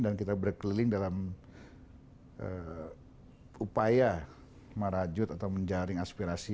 dan kita berkeliling dalam upaya marajut atau menjaring aspirasi